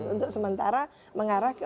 untuk sementara mengarah ke